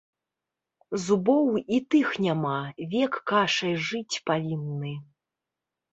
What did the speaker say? Зубоў і тых няма, век кашай жыць павінны.